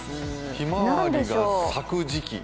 ひまわりが咲く時期？